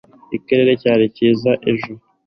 ikirere cyari cyiza ejo